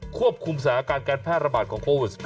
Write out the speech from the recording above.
ควบคุมสถานการณ์การแพร่ระบาดของโควิด๑๙